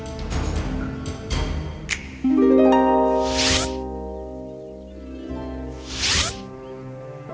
bethesda tiga kerajaan